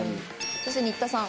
そして新田さん。